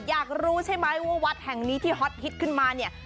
อยากรู้ใช่ไหมว่าวัดแห่งนี้ที่ฮอตฮิตขึ้นมาเนี่ย